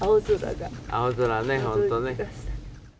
青空ね、本当ね。